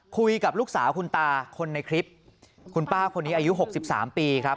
คุยกับลูกสาวคุณตาคนในคลิปคุณป้าคนนี้อายุ๖๓ปีครับ